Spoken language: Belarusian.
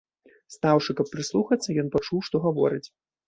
Стаўшы, каб прыслухацца, ён пачуў, што гавораць.